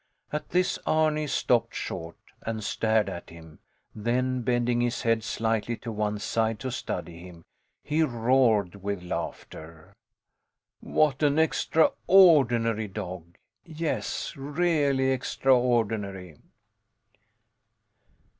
At this Arni stopped short and stared at him, then bending his head slightly to one side to study him, he roared with laughter. What an extraordinary dog! Yes, really extraordinary.